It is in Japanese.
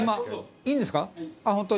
いいんですか？